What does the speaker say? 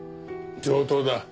上等だ。